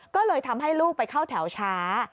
ก็เลยทำให้ลูกไปเข้าแถวช้า